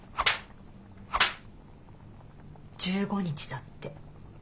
１５日だって。